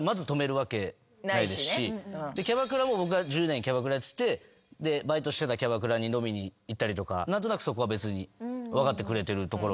キャバクラも僕が１０年キャバクラやっててバイトしてたキャバクラに飲みに行ったりとか何となくそこは別に分かってくれてるところが。